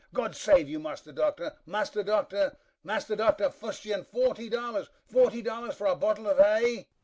God save you, Master Doctor, Master Doctor, Master Doctor Fustian! forty dollars, forty dollars for a bottle of hay!